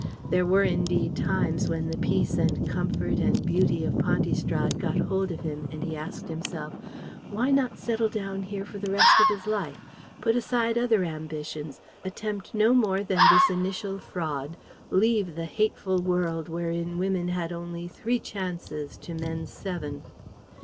There were, indeed, times when the peace and comfort and beauty of Pontystrad got hold of him and he asked himself: "Why not settle down here for the rest of his life, put aside other ambitions, attempt no more than this initial fraud, leave the hateful world wherein women had only three chances to men's seven."